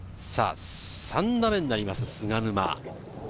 ３打目になります、菅沼。